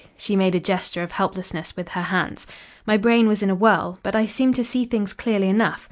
She made a gesture of helplessness with her hands. "My brain was in a whirl, but I seemed to see things clearly enough.